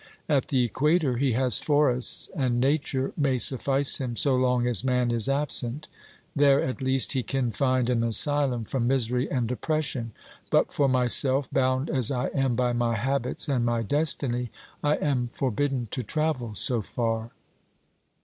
At the equator he has forests, and Nature may suffice him so long as man is absent. There at least he can find an asylum from misery and oppression ; but for my self, bound as I am by my habits and my destiny, I am for bidden to travel so far.